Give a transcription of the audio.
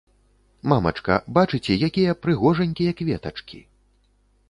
Мамачка, бачыце, якія прыгожанькія кветачкі?